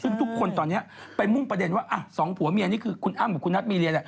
ซึ่งทุกคนตอนนี้ไปมุ่งประเด็นว่าสองผัวเมียนี่คือคุณอ้ำกับคุณนัทมีเรียแหละ